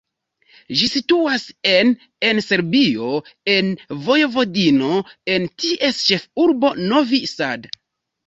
Ĝi situas en en Serbio, en Vojvodino, en ties ĉefurbo Novi Sad.